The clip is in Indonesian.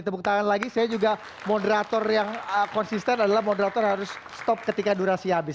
tepuk tangan lagi saya juga moderator yang konsisten adalah moderator harus stop ketika durasi habis